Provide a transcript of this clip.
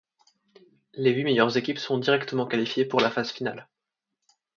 Les huit meilleures équipes sont directement qualifiées pour la phase finale.